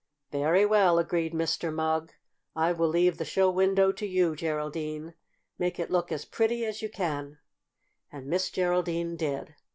"Very well," agreed Mr. Mugg. "I will leave the show window to you, Geraldine. Make it look as pretty as you can." And Miss Geraldine did.